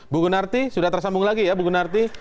bu gunarti sudah tersambung lagi ya bu gunarti